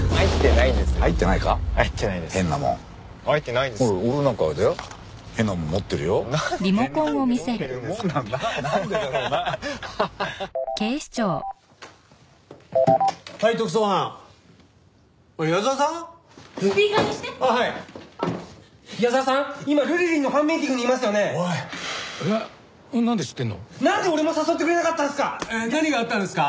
なんで俺も誘ってくれなかったんすか！